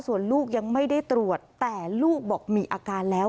ส่วนลูกยังไม่ได้ตรวจแต่ลูกบอกมีอาการแล้ว